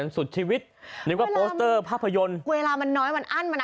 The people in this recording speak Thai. สูดชีวิตนึกว่าภาพยนต์เวลามันน้อยมันอั้นมาน่ะ